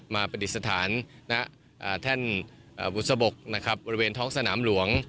ปฏิสถานณแท่นบุษบกนะครับบริเวณท้องสนามหลวง